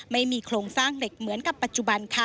ไม่มีโครงสร้างเหล็กเหมือนกับปัจจุบันค่ะ